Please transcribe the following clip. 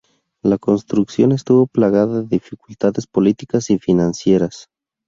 La construcción estuvo plagada de dificultades políticas y financieras.